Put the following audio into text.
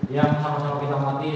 yang sama sama kita hormati